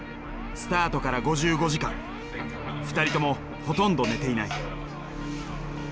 スタートから５５時間２人ともほとんど寝ていない。